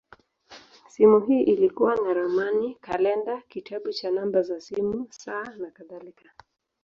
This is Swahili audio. Simu hii ilikuwa na ramani, kalenda, kitabu cha namba za simu, saa, nakadhalika.